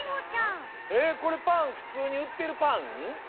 えっこれパンふつうにうってるパン？